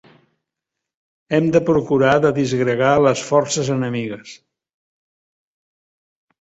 Hem de procurar de disgregar les forces enemigues.